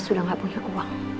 sudah gak punya uang